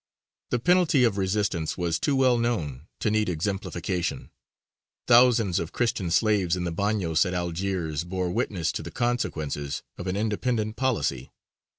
The penalty of resistance was too well known to need exemplification; thousands of Christian slaves in the bagnios at Algiers bore witness to the consequences of an independent policy.